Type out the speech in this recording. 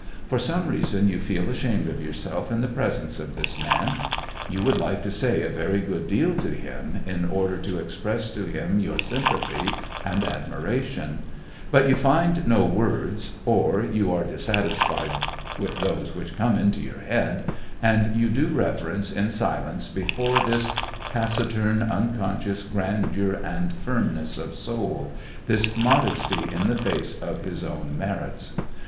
For some reason, you feel ashamed of yourself in the presence of this man. You would like to say a very great deal to him, in SEVASTOPOL IN DECEMBER. 15 order to express to him your sympathy and admiration ; but you find no words, or you are dissatisfied with those which come into your head, — and you do reverence in silence before this taciturn, unconscious grandeur and firmness of soul, this modesty in the face of his own merits.